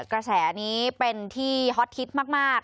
กระแสนี้เป็นที่ฮอตฮิตมาก